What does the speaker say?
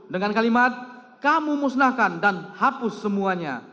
dengan kalimat kamu musnahkan dan hapus semuanya